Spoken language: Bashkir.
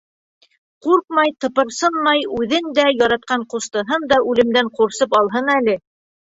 Ҡурҡмай, тыпырсынмай үҙен дә, яратҡан ҡустыһын да үлемдән ҡурсып алһын әле.